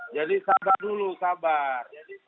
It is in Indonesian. jadi sabar dulu sabar